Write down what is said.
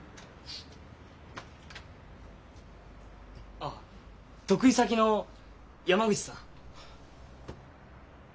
あっ得意先の山口さん。